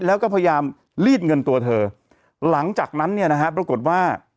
แล้วก็พยายามลีดเงินตัวเธอหลังจากนั้นเนี่ยนะฮะปรากฏว่า